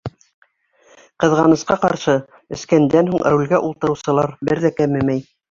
Ҡыҙғанысҡа ҡаршы, эскәндән һуң рулгә ултырыусылар бер ҙә кәмемәй.